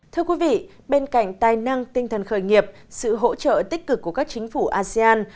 thưa quý vị bên cạnh tài năng tinh thần khởi nghiệp sự hỗ trợ tích cực của các chính phủ asean